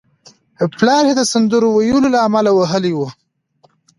پلار یې د سندرو ویلو له امله وهلی و